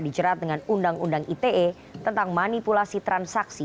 dijerat dengan undang undang ite tentang manipulasi transaksi